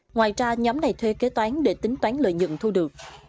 ngoài ra nhóm này thuê kế toán để tính toán lợi nhận thu được